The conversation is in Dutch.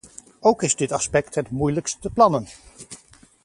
Ook is dit aspect het moeilijkst te plannen.